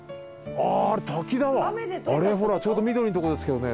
あれほらちょうど緑のとこですけどね